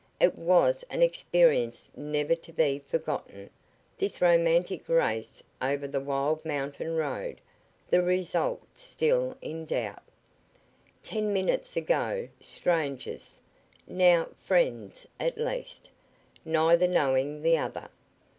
It was an experience never to be forgotten, this romantic race over the wild mountain road, the result still in doubt. Ten minutes ago strangers; now friends at least, neither knowing the other.